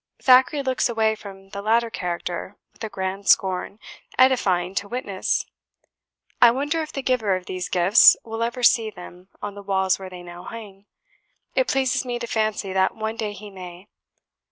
Thackeray looks away from the latter character with a grand scorn, edifying to witness. I wonder if the giver of these gifts will ever see them on the walls where they now hang; it pleases me to fancy that one day he may.